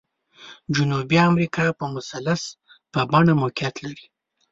جنوبي امریکا په مثلث په بڼه موقعیت لري.